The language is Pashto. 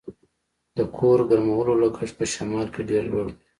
د کور ګرمولو لګښت په شمال کې ډیر لوړ دی